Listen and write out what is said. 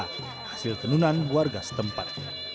hasil tenunan warga setempat